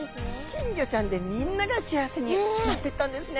金魚ちゃんでみんなが幸せになってったんですね。